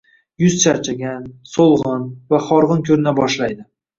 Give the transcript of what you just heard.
Yuz charchagan, so‘lg‘in va horg‘in ko‘rina boshlaydi